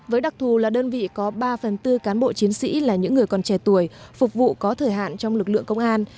với đặc thù là đơn vị có ba phần tư cán bộ chiến sĩ là những người còn trẻ tuổi phục vụ có thời hạn trong lực lượng công an